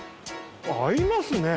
合いますね。